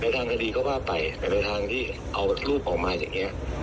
ในทางคดีเขาว่าไปแต่ในทางที่เอารูปออกมาจากเนี่ย